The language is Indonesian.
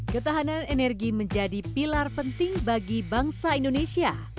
ketahanan energi menjadi pilar penting bagi bangsa indonesia